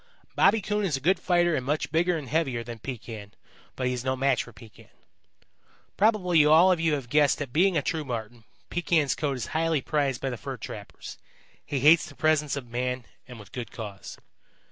Bobby Coon is a good fighter and much bigger and heavier than Pekan, but he is no match for Pekan. "Probably all of you have guessed that being a true Marten, Pekan's coat is highly prized by the fur trappers. He hates the presence of man and with good cause.